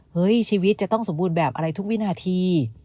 เฮ้ยชีวิตจะต้องสมบูรณ์แบบอะไรทุกวินาที